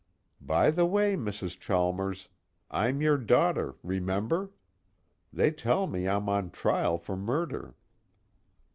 _By the way, Mrs. Chalmers, I'm your daughter remember? They tell me I'm on trial for murder.